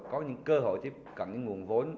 có những cơ hội tiếp cận những nguồn vốn